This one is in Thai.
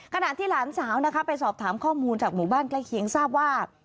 ขณะที่หลานสาวนะคะไปสอบถามข้อมูลจากหมู่บ้านใกล้เคียงทราบว่า